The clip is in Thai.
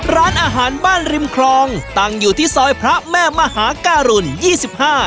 ร้านอาหารบ้านริมคลองตั้งอยู่ที่ซอยพระแม่มหาการุณยี่สิบห้า